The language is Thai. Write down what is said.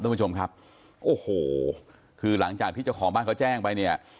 ท่านผู้ชมครับโอ้โหคือหลังจากที่เจ้าของบ้านเขาแจ้งไปเนี่ย